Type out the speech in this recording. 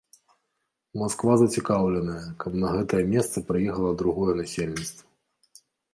Масква зацікаўленая, каб на гэтае месца прыехала другое насельніцтва.